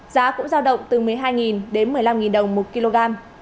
giá cũng giao động từ một mươi hai đến một mươi năm đồng một kg